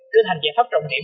thứ thành giải pháp trọng điểm